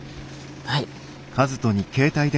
はい。